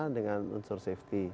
dengan unsur safety